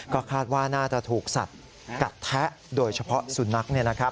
ก็คาดว่าน่าจะถูกสัตว์กัดแทะโดยเฉพาะสุนัข